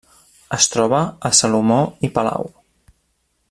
Es troba a Salomó i Palau.